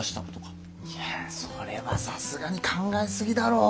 いやそれはさすがに考えすぎだろ。